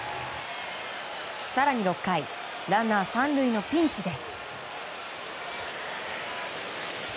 更に６回ランナー３塁のピンチで。